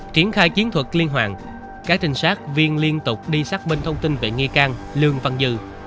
triển khai chiến thuật liên hoàn các trinh sát viên liên tục đi xác minh thông tin về nghi can lương văn dư